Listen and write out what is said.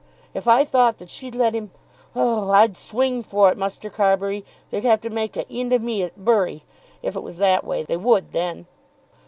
If I thought that she'd let him ; oh! I'd swing for it, Muster Carbury. They'd have to make an eend o' me at Bury, if it was that way. They would then."